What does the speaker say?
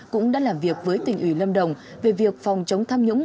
cũng đã làm việc với tỉnh ủy lâm đồng về việc phòng chống tham nhũng